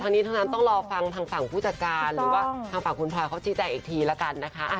ทั้งนี้ทั้งนั้นต้องรอฟังทางฝั่งผู้จัดการหรือว่าทางฝั่งคุณพลอยเขาชี้แจงอีกทีละกันนะคะ